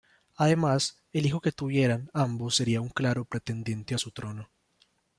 Además, el hijo que tuvieran ambos sería un claro pretendiente a su trono.